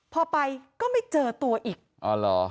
พอไปก็ไม่เจอตัวอีกอ๋อเหรอ